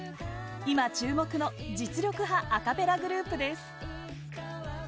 今、注目の実力派アカペラグループです。